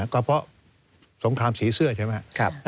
ก็เพราะสงครามสีเสื้อใช่ไหม